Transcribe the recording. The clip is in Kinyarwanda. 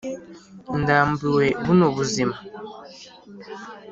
ndambiwe buno buzima